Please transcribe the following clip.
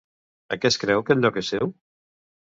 Aquest creu que el lloc és seu?